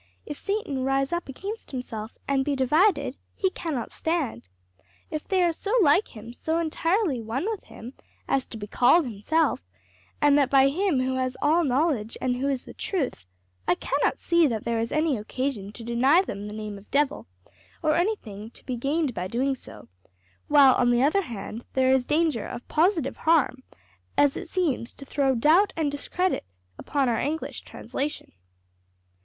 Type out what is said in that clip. If Satan rise up against himself, and be divided, he cannot stand.' If they are so like him, so entirely one with him, as to be called himself and that by Him who has all knowledge and who is the Truth I cannot see that there is any occasion to deny them the name of devil, or anything to be gained by doing so; while on the other hand there is danger of positive harm, as it seems to throw doubt and discredit upon our English translation."